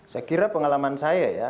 saya kira pengalaman saya ya